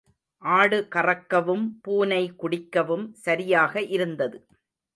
ஆடு கறக்கவும் பூனை குடிக்கவும் சரியாக இருந்தது.